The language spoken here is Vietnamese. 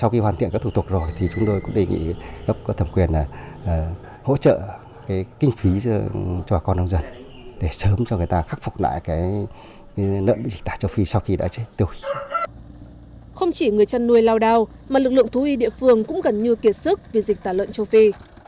không chỉ người chăn nuôi lao đao mà lực lượng thú y địa phương cũng gần như kiệt sức vì dịch tả lợn châu phi